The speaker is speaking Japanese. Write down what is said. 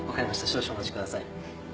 少々お待ちください。